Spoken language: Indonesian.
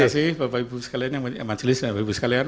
terima kasih bapak ibu sekalian yang majelis dan bapak ibu sekalian